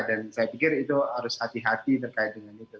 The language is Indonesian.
dan saya pikir itu harus hati hati terkait dengan itu